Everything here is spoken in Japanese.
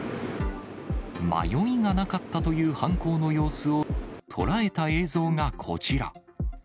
迷いがなかったという犯行の様子を捉えた映像がこちら。